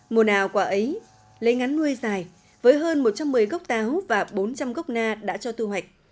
mùa nào quả ấy lấy ngắn nuôi dài với hơn một trăm một mươi gốc táo và bốn trăm linh gốc na đã cho thu hoạch